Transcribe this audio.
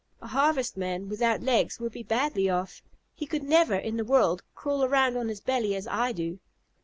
A Harvestman without legs would be badly off. He could never in the world crawl around on his belly as I do."